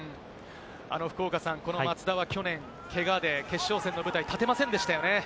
福岡さん、この松田は去年、けがで決勝戦の舞台に立てませんでしたよね。